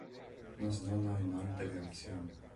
Nos non ha un altere option.